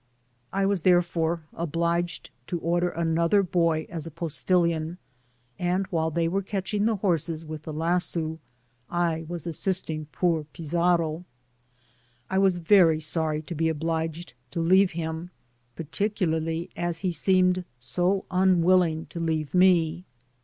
I was therefore obliged to c^der another boy as a postilion, and while they were catching the horses with the lasso, I was assisting poor Fizarro. I was very sorry to be obliged to leave him, particularly as he seemed so unwilling to leave me.